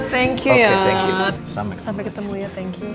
sampai ketemu ya